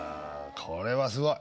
これはすごい。